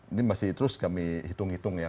ini masih terus kami hitung hitung ya